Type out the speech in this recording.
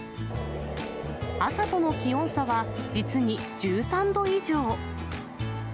朝との気温差は実に１３度以上。